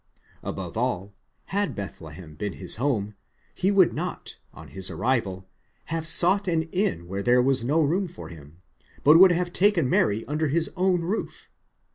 Above all, had Bethlehem been his home, he would not on his arrival have sought an inn where there was no room for him, but would have taken Mary under his own roof.